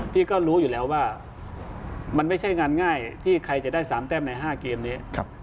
ที่ก็รู้อยู่แล้วว่ามันไม่ใช่งานง่ายที่ใครจะได้๓แต้มใน๕เกมนี้